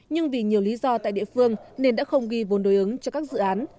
nhưng vì nhiều lý do tại địa phương nên đã không ghi vốn đối ứng cho các dự án